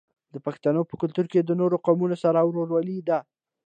د پښتنو په کلتور کې د نورو قومونو سره ورورولي ده.